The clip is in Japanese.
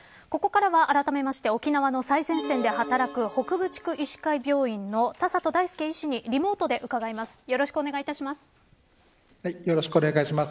ここからは、あらためて沖縄の最前線で働く北部地区医師会病院の田里大輔医師にリモートで伺います。